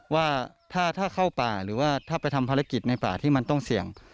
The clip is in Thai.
ว่าถ้าเข้าป่าหรือว่าถ้าไปทำภารกิจในป่าที่มันต้องเสี่ยง